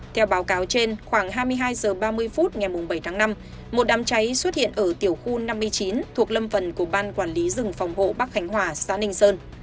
theo báo cáo trên khoảng hai mươi hai h ba mươi phút ngày bảy tháng năm một đám cháy xuất hiện ở tiểu khu năm mươi chín thuộc lâm phần của ban quản lý rừng phòng hộ bắc khánh hòa xã ninh sơn